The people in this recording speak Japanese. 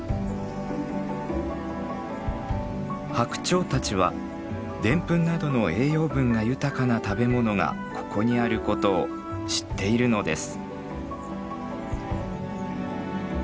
ハクチョウたちはデンプンなどの栄養分が豊かな食べ物がここにあることを知っているのです。